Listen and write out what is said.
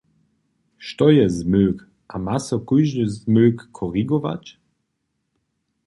Što je zmylk a ma so kóždy zmylk korigować?